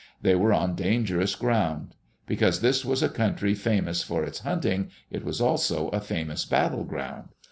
They were on dangerous ground. Because this was a country famous for its hunting, it was also a famous battle ground.